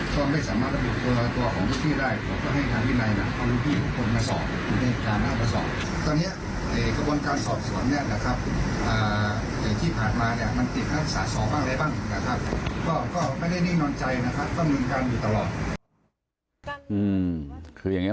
ตอนนี้ประมาณการสอนตอบถึงการสอนนะครับ